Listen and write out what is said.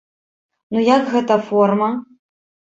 Ну як гэта форма?